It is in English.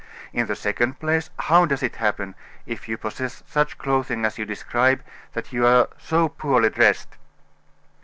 In the second place, how does it happen, if you possess such clothing as you describe, that you are so poorly dressed?"